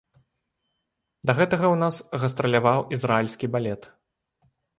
Да гэтага ў нас гастраляваў ізраільскі балет.